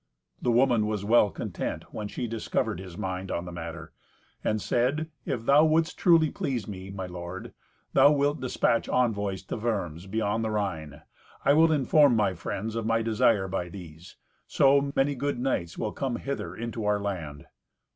The woman was well content when she discovered his mind on the matter, and said, "If thou wouldst truly please me, my lord, thou wilt dispatch envoys to Worms beyond the Rhine. I will inform my friends of my desire by these; so, many good knights will come hither into our land."